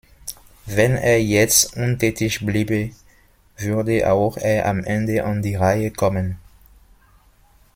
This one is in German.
Wenn er jetzt untätig bliebe, würde auch er am Ende an die Reihe kommen.